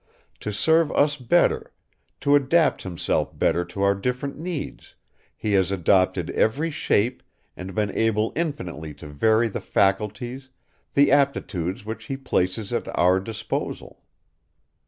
To serve us better, to adapt himself better to our different needs, he has adopted every shape and been able infinitely to vary the faculties, the aptitudes which he places at our disposal.